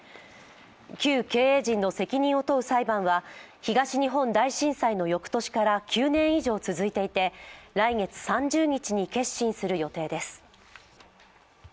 旧経営陣の責任を問う裁判は東日本大震災の翌年から９年以上続いていて、来月３０日に結審する予定です。